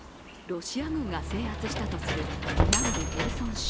ロシア軍が制圧したとする南部ヘルソン州。